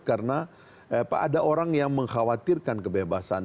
karena ada orang yang mengkhawatirkan kebebasan